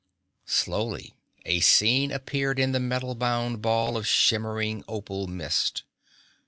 Slowly a scene appeared in the metal bound ball of shimmering opal mist.